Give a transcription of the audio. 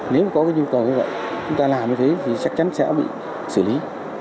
nếu có cái nhu cầu như vậy chúng ta làm như thế thì chắc chắn sẽ bị xử lý